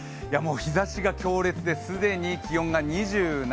日ざしが強烈で既に気温が２７。